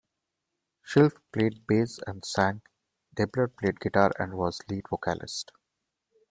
Schilf played bass and sang; Deibler played guitar and was lead vocalist.